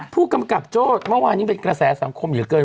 ผู้กำกับโจทย์ว่าว่านี้เป็นกระแสสัมคมหรือเกิน